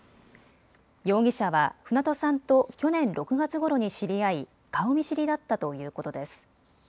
容疑者は船戸さんと去年６月ごろに知り合い顔見知りだったということです。